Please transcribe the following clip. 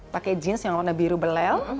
pakai jeans yang warna biru belel